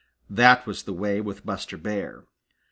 That was the way with Buster Bear.